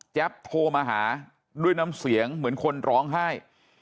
โทรมาหาด้วยน้ำเสียงเหมือนคนร้องไห้